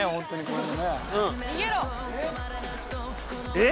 えっ？